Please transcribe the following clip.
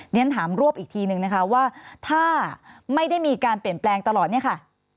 เรียนถามรวบอีกทีนึงนะคะว่าถ้าไม่ได้มีการเปลี่ยนแปลงตลอดเนี่ยค่ะ